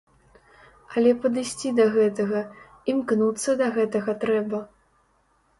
Але падысці да гэтага, імкнуцца да гэтага трэба.